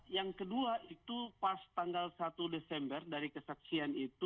yang kedua itu pas tanggal satu desember dari kesaksian itu